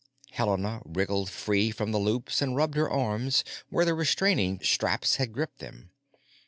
Helena wriggled free from the loops and rubbed her arms where the retaining straps had gripped them.